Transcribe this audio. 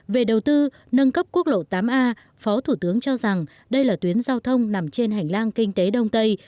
về đầu tư nâng cấp quốc lộ tám a phó thủ tướng cho rằng đây là tuyến giao thông nằm trên hành lang kinh tế đông tây